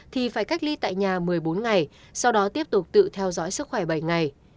thì phải cách ly tại nhà một mươi bốn ngày sau đó tiếp tục tự theo dõi sức khỏe bảy ngày